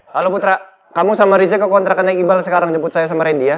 halo putra kamu sama riza ke kontrakan naik ibal sekarang jemput saya sama randy ya